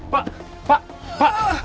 pak pak pak